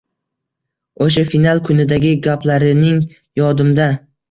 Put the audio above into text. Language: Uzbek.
O‘sha final kunidagi gaplarining yodimda